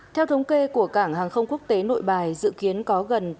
theo thống kê của cảng hàng không quốc tế nội bài dự kiến có gần chín mươi bốn